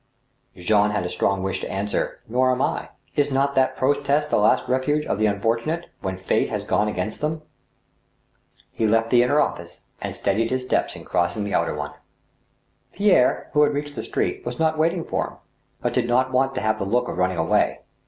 Jean had a strong wish to answer, " Nor am I." Is not that protest the last refuge of the unfortunate when Fate has gone against them ? THE WILL OPENED. 21 He left the inner office, and steadied his steps in crossing the outer one. Pierre, who had reached the street, was not waiting for him, but did not want to have the look of running away.